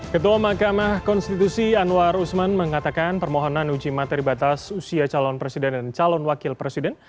ketua mahkamah konstitusi anwar usman mengatakan permohonan uji materi batas usia calon presiden dan calon wakil presiden